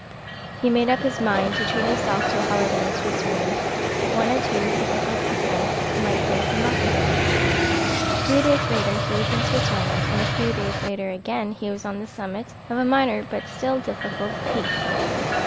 He made up his mind to treat himself to a holiday in Switzerland. One or two difficult ascents might brace him up a bit. Three days later he was in Switzerland, and a few days later again he was on the summit of a minor but still difficult peak.